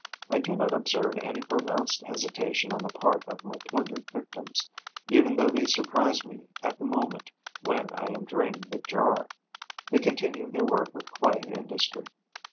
I do not observe any pronounced hesitation on the part of my plundered victims, even though they surprise me at the moment when I am draining the jar; they continue their work with quiet industry.